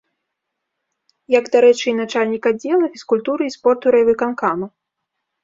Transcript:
Як, дарэчы, і начальнік аддзела фізкультуры і спорту райвыканкама.